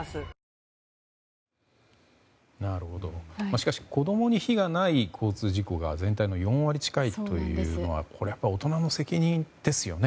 しかし子供に非がない交通事故が全体の４割近いということはこれは大人の責任ですよね。